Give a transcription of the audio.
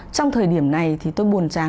trong thời điểm này thì tôi buồn chán